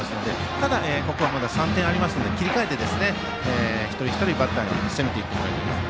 ただ、ここは３点ありますので切り替えて一人一人のバッターを攻めていってほしいです。